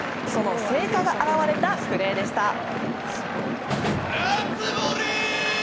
その成果が表れたプレーでした。